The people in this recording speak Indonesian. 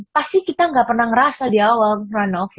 pasti kita nggak pernah ngerasa di awal rano